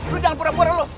lu jangan pura pura lu